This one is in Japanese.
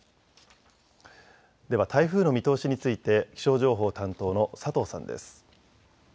では台風の見通しについて気象情報担当の佐藤さんです。